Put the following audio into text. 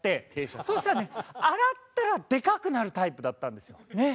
そしたらね洗ったらでかくなるタイプだったんですよ。